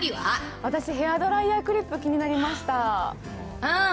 私、ヘアドライヤークリップ、気になりました。